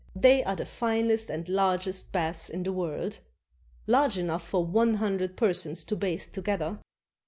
They are the finest and largest baths in the world; large enough for one hundred persons to bathe together.